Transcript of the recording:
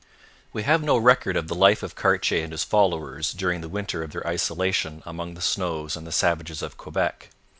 We have no record of the life of Cartier and his followers during the winter of their isolation among the snows and the savages of Quebec.